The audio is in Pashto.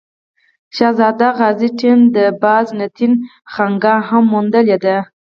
شهزاده غازي ټیم د بازنطین خانقا هم موندلې ده.